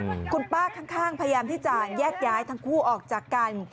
คุณป้าข้างข้างพยายามที่จะแยกย้ายทั้งคู่ออกจากกัน